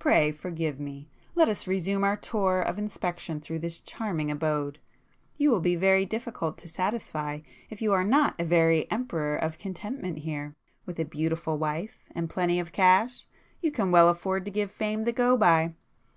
Pray forgive me! Let us resume our tour of inspection through this charming abode. You will be very difficult to satisfy if you are not a very emperor of [p 217] contentment here;—with a beautiful wife and plenty of cash, you can well afford to give fame the go by."